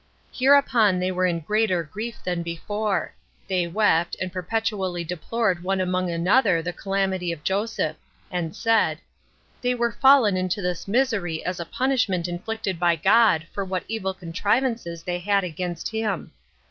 Hereupon they were in greater grief than before; they wept, and perpetually deplored one among another the calamity of Joseph; and said, "They were fallen into this misery as a punishment inflicted by God for what evil contrivances they had against him."